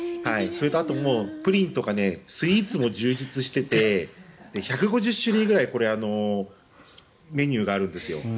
あとプリンとかスイーツも充実していて１５０種類ぐらいメニューがあるんですよ。